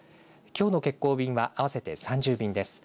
きょうの欠航便は合わせて３０便です。